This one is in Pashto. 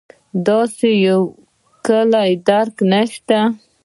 داسې یو کُلي درک شته.